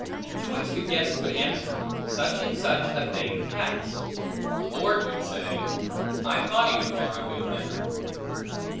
To which the guest would answer, Such and such a thing passed. The lord would say, I thought, he would mar a good dinner.